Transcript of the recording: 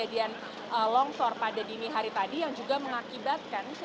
dan yang terdapat di atas